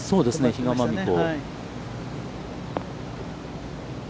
比嘉真美子。